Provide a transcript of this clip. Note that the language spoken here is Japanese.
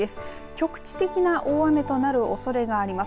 局地的な大雨となる恐れがあります。